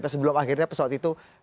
sebelum akhirnya pesawat itu